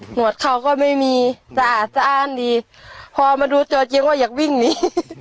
วดเขาก็ไม่มีสะอาดสะอ้านดีพอมาดูตัวจริงว่าอยากวิ่งหนี